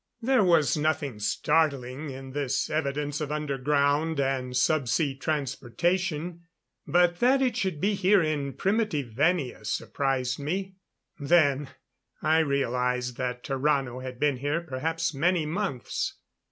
There was nothing startling in this evidence of underground and sub sea transportation. But that it should be here in primitive Venia surprised me. Then I realized that Tarrano had been here perhaps many months.